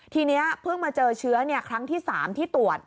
ทีนี้เพิ่งมาเจอเชื้อครั้งที่๓ที่ตรวจ